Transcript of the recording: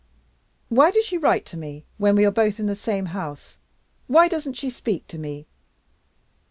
'Why does she write to me when we are both in the same house? Why doesn't she speak to me?